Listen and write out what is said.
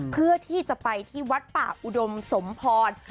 เพื่อที่จะไปที่วัดป่าอุดมสมพร